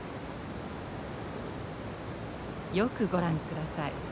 よくご覧ください。